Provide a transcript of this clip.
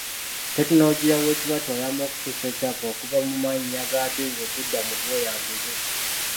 Ttekinologiya w'ekibatu ayamba okukyusa ekyapa okuva mu mannya g'atunze okudda mu g'oyo aguze.